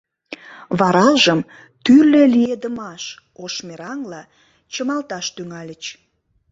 Варажым тӱрлӧ лиедымаш ош мераҥла чымалташ тӱҥальыч.